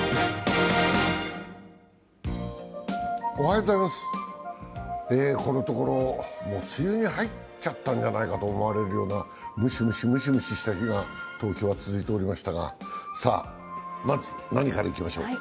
このところ梅雨に入ったんじゃないかと思われるようなムシムシムシムシした日が東京は続いておりましたが、まず何からいきましょうか。